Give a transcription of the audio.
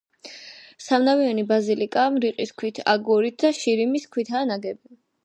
სამნავიანი ბაზილიკა რიყის ქვით, აგურით და შირიმის ქვითაა ნაგები.